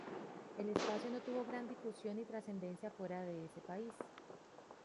El espacio no tuvo gran difusión ni trascendencia fuera de ese país.